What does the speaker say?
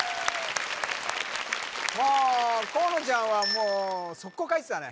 もう河野ちゃんはもう速攻書いてたね